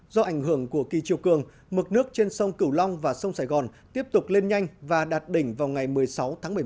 do ảnh hưởng của kỳ chiều cường mực nước trên sông cửu long và sông sài gòn tiếp tục lên nhanh và đạt đỉnh vào ngày một mươi sáu tháng một mươi một